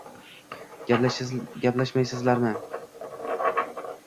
Gaplashayapsizlarmi?